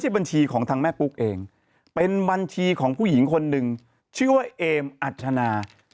บัญชีของทางแม่ปุ๊กเองเป็นบัญชีของผู้หญิงคนหนึ่งชื่อว่าเอมอัชนา